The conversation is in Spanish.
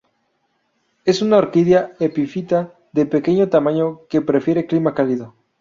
Es una orquídea epifita de pequeño tamaño, que prefiere clima cálido.